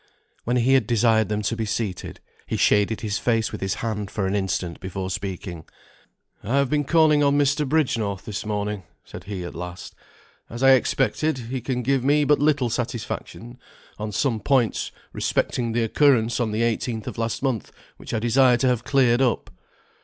When he had desired them to be seated, he shaded his face with his hand for an instant before speaking. "I have been calling on Mr. Bridgenorth this morning," said he, at last; "as I expected, he can give me but little satisfaction on some points respecting the occurrence on the 18th of last month which I desire to have cleared up.